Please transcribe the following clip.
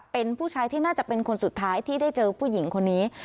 เป็นผู้ชายที่น่าจะเป็นคนสุดท้ายที่ได้เจอผู้หญิงคนนี้